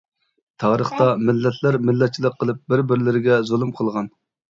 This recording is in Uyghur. تارىختا مىللەتلەر مىللەتچىلىك قىلىپ، بىر-بىرلىرىگە زۇلۇم قىلغان.